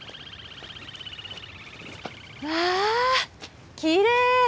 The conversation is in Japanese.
わあきれい！